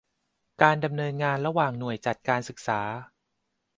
การดำเนินงานระหว่างหน่วยจัดการศึกษา